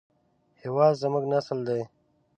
هېواد زموږ نسل دی